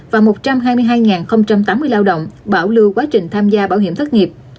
và một trăm hai mươi hai tám mươi lao động bảo lưu quá trình tham gia bảo hiểm thất nghiệp